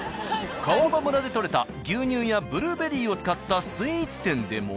川場村で取れた牛乳やブルーベリーを使ったスイーツ店でも。